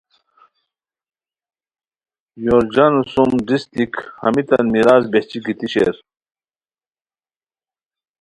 یورجان سوم ڈیس دیک ہمیتان میراث بہچی گیتی شیر